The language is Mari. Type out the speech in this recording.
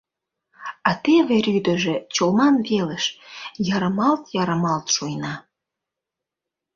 А теве рӱдыжӧ Чолман велыш ярымалт-ярымалт шуйна.